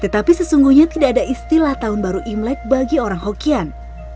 tetapi sesungguhnya tidak ada istilah tahun baru imlek bagi orang hokian